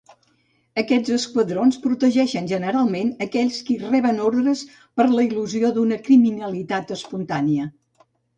Aquests esquadrons protegeixen generalment aquells de qui reben ordres per la il·lusió d'una criminalitat espontània.